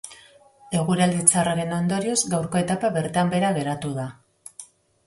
Eguraldi txarraren ondorioz gaurko etapa bertan behera geratu da.